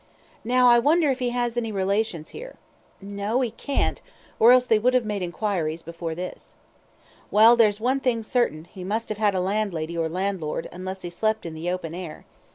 Now, I wonder if he has any relations here? No, he can't, or else they would have made enquiries, before this. Well, there's one thing certain, he must have had a landlady or landlord, unless he slept in the open air.